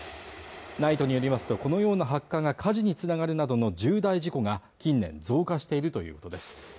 ＮＩＴＥによりますとこのような発火が火事につながるなどの重大事故が近年増加しているということです